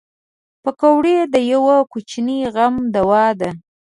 پکورې د یوه کوچني غم دوا ده